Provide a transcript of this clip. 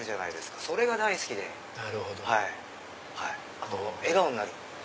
あと笑顔になる。